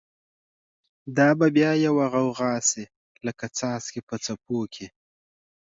دا به بیا یوه غوغاشی، لکه څاڅکی په څپو کی